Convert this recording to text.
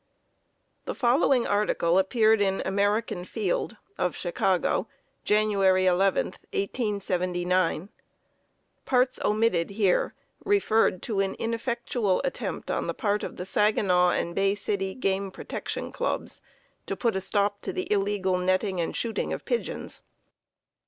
The following article appeared in "American Field," of Chicago, Jan. 11, 1879. Parts omitted here referred to an ineffectual attempt on the part of the Saginaw and Bay City Game Protection Clubs to put a stop to the illegal netting and shooting of pigeons.